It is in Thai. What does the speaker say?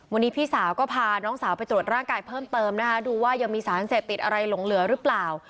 วันนี้พี่สาวก็พาน้องสาวไปตรวจร่างกายเพิ่มเติมนะคะดูว่ายังมีสารเสพติดอะไรหลงเหลือหรือเปล่า